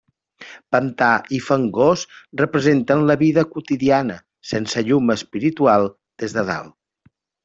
Pantà i fangós representen la vida quotidiana, sense llum espiritual des de dalt.